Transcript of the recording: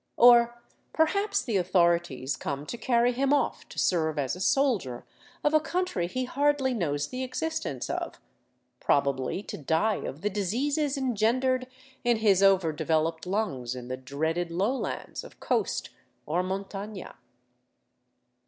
Or perhaps the authorities come to carry him off to serve as a soldier of a country he hardly knows the existence of, probably to die of the diseases engendered in his over developed lungs in the dreaded lowlands of coast or montaiia.